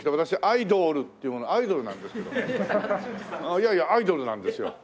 いやいやアイドルなんですよ。